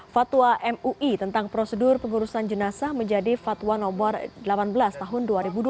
fatwa mui tentang prosedur pengurusan jenazah menjadi fatwa nomor delapan belas tahun dua ribu dua puluh